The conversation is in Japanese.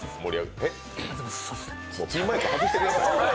ピンマイク外してください。